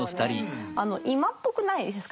今っぽくないですか。